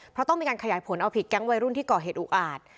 เพราะต้องมีการขยายผลเอาผิดแก๊งวัยรุ่นที่ก่อเหตุอุอาจ